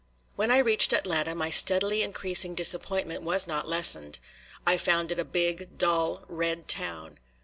When I reached Atlanta, my steadily increasing disappointment was not lessened. I found it a big, dull, red town.